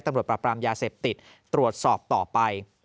ตำรวจปราบรามยาเสพติดตรวจสอบต่อไป